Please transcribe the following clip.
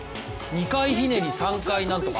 ２回ひねり３回なんとか？